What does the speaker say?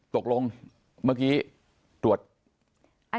ตกลงเมื่อกี้ตรวจ